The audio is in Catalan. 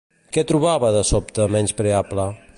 Què trobava de sobte menyspreable?